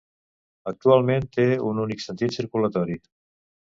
Actualment té un únic sentit circulatori.